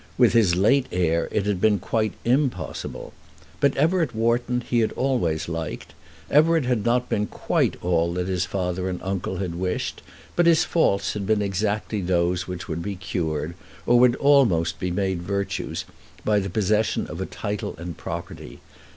With his late heir it had been impossible. But Everett Wharton he had always liked. Everett had not been quite all that his father and uncle had wished. But his faults had been exactly those which would be cured, or would almost be made virtues, by the possession of a title and property.